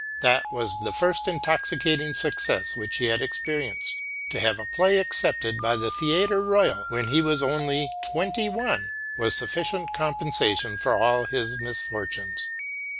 That was the first intoxicating success which he had experienced. To have a play accepted at the Theatre Royal when he was only twenty one was sufficient compensation for all his misfortunes.